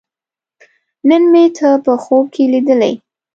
نن مې ته په خوب کې لیدلې